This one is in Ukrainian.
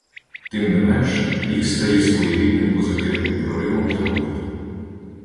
Тим не менш, рік стає своєрідним позитивним «проривом» для гурту.